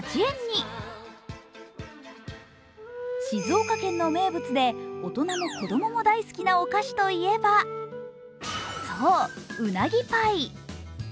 静岡県の名物で大人も子供も大好きなお菓子と言えばそう、うなぎパイ。